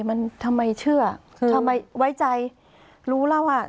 มันทำไมเชื่อคือทำไมไว้ใจรู้แล้วว่า